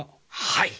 はい。